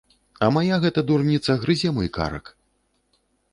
А мая гэта дурніца грызе мой карак.